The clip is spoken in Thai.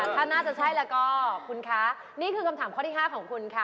ถ้าน่าจะใช่แล้วก็คุณคะนี่คือคำถามข้อที่๕ของคุณค่ะ